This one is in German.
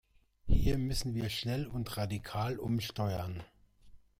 Hier müssen wir schnell und radikal umsteuern.